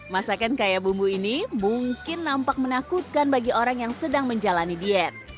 masakan kaya bumbu ini mungkin nampak menakutkan bagi orang yang sedang menjalani diet